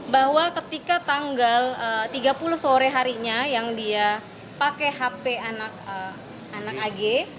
bahwa ketika tanggal tiga puluh sore harinya yang dia pakai hp anak ag